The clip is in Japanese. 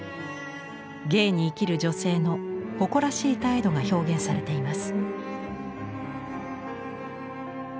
芸に生きる女性の誇らしい態度が表現されています。